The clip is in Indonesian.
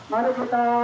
mari kita rapatkan